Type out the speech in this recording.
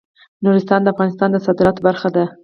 نورستان د افغانستان د صادراتو برخه ده.